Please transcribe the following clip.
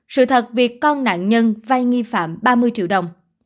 sự thật việc con nạn nhân vay nghi phạm ba mươi triệu đồng